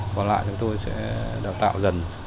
còn lại chúng tôi sẽ đào tạo dần